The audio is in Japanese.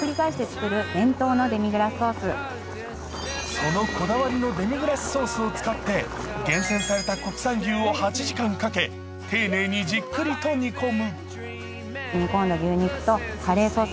そのこだわりのデミグラスソースを使って厳選された国産牛を８時間かけ丁寧にじっくりと煮込む。